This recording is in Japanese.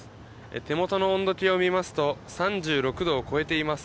手元の温度計を見ますと３６度を超えています。